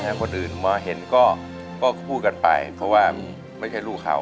ให้คนอื่นมาเห็นก็พูดกันไปเพราะว่าไม่ใช่ลูกเขา